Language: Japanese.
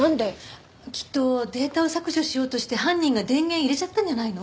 きっとデータを削除しようとして犯人が電源入れちゃったんじゃないの？